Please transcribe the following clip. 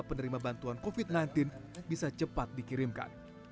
penerima bantuan covid sembilan belas bisa cepat dikirimkan